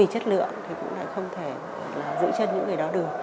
chất lượng thì cũng lại không thể giữ chân những người đó được